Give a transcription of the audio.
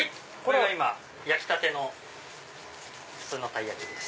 焼きたての普通のたい焼きです。